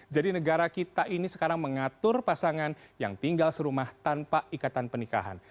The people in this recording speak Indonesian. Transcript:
jadi negara kita ini sekarang mengatur pasangan yang tinggal serumah tanpa ikatan pernikahan